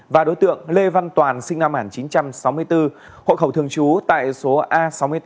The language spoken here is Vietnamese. và đối tượng lê văn toàn sinh năm một nghìn chín trăm sáu mươi bốn hộ khẩu thường trú tại số a sáu mươi tám